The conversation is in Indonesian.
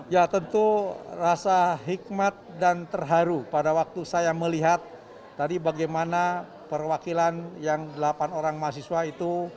ya tentu rasa hikmat dan terharu pada waktu saya melihat tadi bagaimana perwakilan yang delapan orang mahasiswa itu